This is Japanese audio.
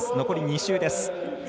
残り２周です。